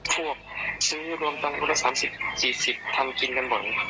พวกซื้อรวมตั้ง๓๐๔๐บาททำกินกันบ่อย